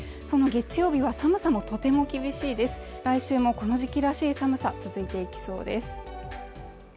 その月曜日は寒さもとても厳しいです来週もこの時期らしい寒さ続いていきそうです